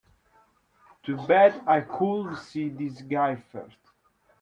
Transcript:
Too bad I couldn't see this guy first.